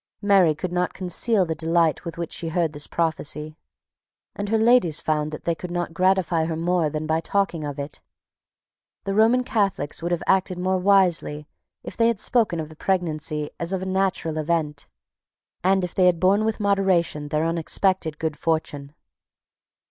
Mary could not conceal the delight with which she heard this prophecy; and her ladies found that they could not gratify her more than by talking of it. The Roman Catholics would have acted more wisely if they had spoken of the pregnancy as of a natural event, and if they had borne with moderation their unexpected good fortune.